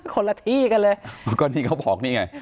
คนละที่กันเลย